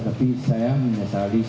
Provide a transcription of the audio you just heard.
tapi saya menyesali